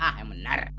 ah yang benar